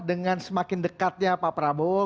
dengan semakin dekatnya pak prabowo